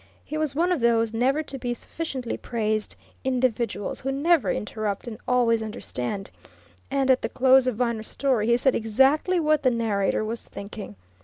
He was one of those never to be sufficiently praised individuals who never interrupt and always understand, and at the close of Viner's story he said exactly what the narrator was thinking.